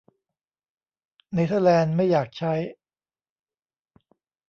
เนเธอร์แลนด์ไม่อยากใช้